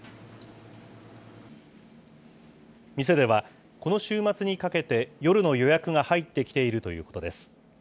店では、この週末にかけて、夜の予約が入ってきているということです。